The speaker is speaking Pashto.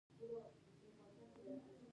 ښتې د افغانستان د اقلیمي نظام ښکارندوی ده.